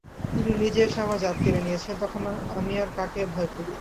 তিনি নিজে এসে আমার জাত কেড়ে নিয়েছেন, তখন আমি আর কাকে ভয় করি।